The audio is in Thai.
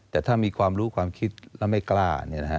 แต่ถ้ามีความรู้ความคิดแล้วไม่กล้า